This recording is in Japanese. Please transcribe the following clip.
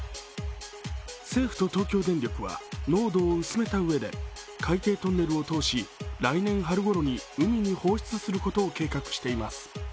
政府と東京電力は、濃度を薄めたうえで海底トンネルを通し来年春ごろに海に放出させることを計画しています。